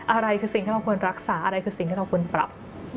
อะไรคือสิ่งที่เราควรรักษาอะไรคือสิ่งที่เราควรปรับ